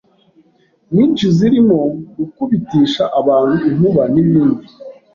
nyinshi zirimo gukubitisha abantu inkuba n’ibindi